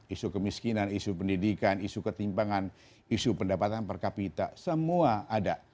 isu kemiskinan isu pendidikan isu ketimpangan isu pendapatan per kapita semua ada